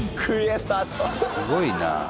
すごいな。